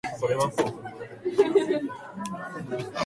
何度も繰り返して本を読むこと。また熱心に学問することのたとえ。